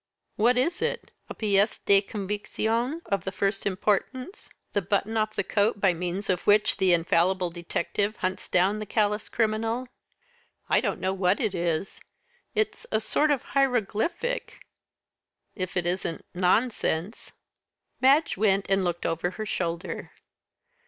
"What is it a pièce de conviction of the first importance: the button off the coat by means of which the infallible detective hunts down the callous criminal?" "I don't know what it is. It's a sort of hieroglyphic if it isn't nonsense." Madge went and looked over her shoulder.